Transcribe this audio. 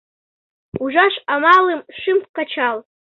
Ужаш амалым шым кычал.